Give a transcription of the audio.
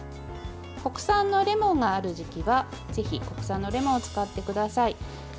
国産のレモンがある時期はぜひ国産のレモンを使ってください。